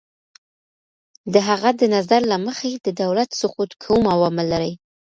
د هغه د نظر له مخې، د دولت سقوط کوم عوامل لري؟